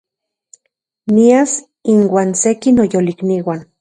Nias inuan seki noyolikniuan